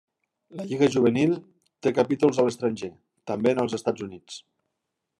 La lliga juvenil té capítols a l'estranger, també en els Estats Units.